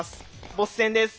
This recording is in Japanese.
ボス戦です。